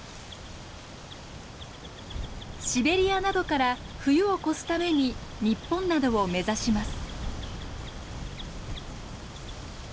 シベリアなどから冬を越すために日本などを目指します。